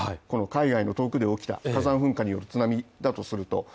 この海外の遠くで起きた火山噴火による津波だとすると。